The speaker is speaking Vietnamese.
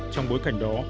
trong bối cảnh đó